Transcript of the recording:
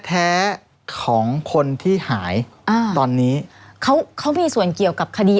แท้ของคนที่หายอ่าตอนนี้เขาเขามีส่วนเกี่ยวกับคดี